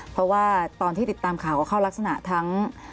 เพราะว่าตอนที่ติดตามข่าวก็เข้ารักษณะทั้ง